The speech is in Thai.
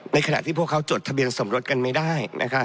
ขณะที่พวกเขาจดทะเบียนสมรสกันไม่ได้